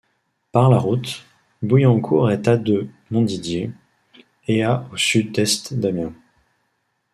Par la route, Bouillancourt est à de Montdidier et à au sud-est d'Amiens.